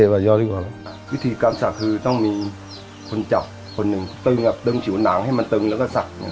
วิธีการสักคือต้องมีคนจับคนหนึ่งตึงผิวหนังให้มันตึงแล้วก็สัก